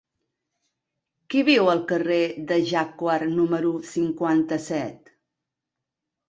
Qui viu al carrer de Jacquard número cinquanta-set?